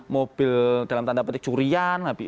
mobil dalam tanda petik curian